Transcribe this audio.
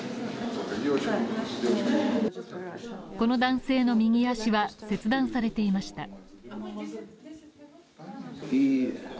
この男性の右脚は切断されていました。